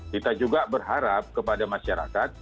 kita juga berharap kepada masyarakat